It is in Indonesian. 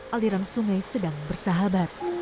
aliran sungai sedang bersahabat